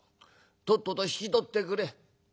とっとと引き取ってくれ。